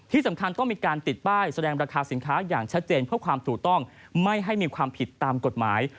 ที่สำคัญต้องมีการติดป้ายแสดงราคาสินค้าอย่างชัดเจนเพื่อความถูกต้องไม่ให้มีความผิดตามกฎหมาย